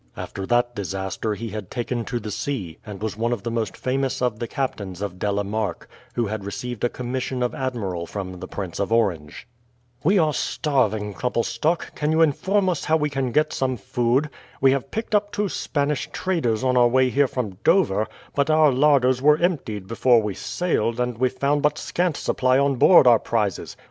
After that disaster he had taken to the sea, and was one of the most famous of the captains of De la Marck, who had received a commission of admiral from the Prince of Orange. "We are starving, Koppelstok; can you inform us how we can get some food? We have picked up two Spanish traders on our way here from Dover, but our larders were emptied before we sailed, and we found but scant supply on board our prizes."